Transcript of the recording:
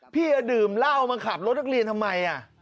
พี่ดื่มเหล้ามาขับรถนักเรียนทำไม